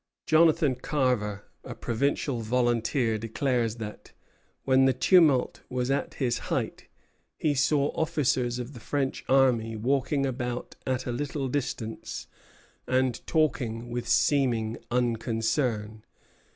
Jonathan Carver, a provincial volunteer, declares that, when the tumult was at its height, he saw officers of the French army walking about at a little distance and talking with seeming unconcern.